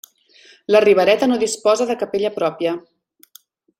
La Ribereta no disposa de capella pròpia.